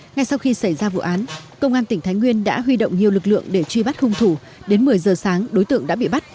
ngay sau khi xảy ra vụ án công an tỉnh thái nguyên đã huy động nhiều lực lượng để truy bắt hung thủ đến một mươi giờ sáng đối tượng đã bị bắt